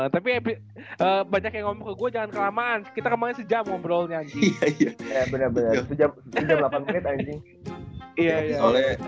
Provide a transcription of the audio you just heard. tapi ya berarti banyak ya ngomong ke gua jangan kelamaan kita kembangnya sejam omrol ini anjing